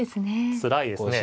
つらいですね。